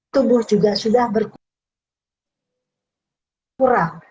tumbuh juga sudah berkurang